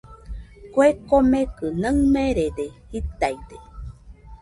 Kue komekɨ naɨmerede jitaide.